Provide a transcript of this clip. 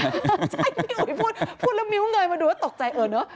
ใช่พี่อุ๋ยพูดพูดแล้วมิ้วเงยมาดูแล้วตกใจเออเนอะ